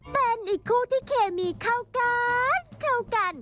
เป็นอีกคู่ที่เคมีเข้ากัน